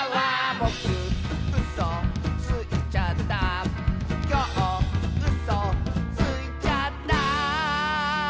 「ぼくうそついちゃった」「きょううそついちゃった」